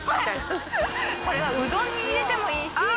これはうどんに入れてもいいし。